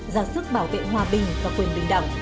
giả sức bảo vệ hòa bình và quyền bình đẳng